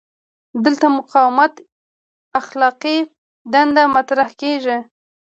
دلته د مقاومت اخلاقي دنده مطرح کیږي.